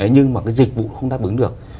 nhưng mà cái dịch vụ không đáp ứng được